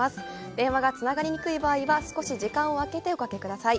電話がつながりにくい場合は少し時間を空けておかけください。